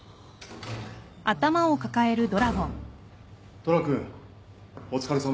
・虎君お疲れさま。